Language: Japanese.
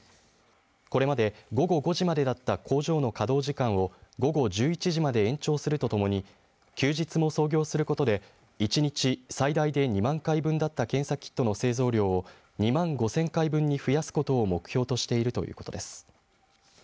これまで午後５時までだった工場の稼働時間を午後１１時まで延長するとともに休日も操業することで１日最大で２万回分だった検査キットの製造量を２万５０００回分に増やすことを目標としているということです。